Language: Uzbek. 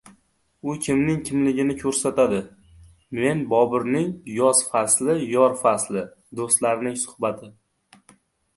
U kimning kimligini ko‘rsatdi. Men Boburning «Yoz fasli yor fasli, do‘stlarning suhbati…»